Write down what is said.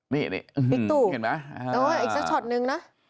นี่บิ๊กตู่เห็นไหมอีกสักช็อตนึงนะ